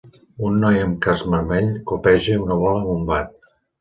Un noi amb un casc vermell copeja una bola amb un bat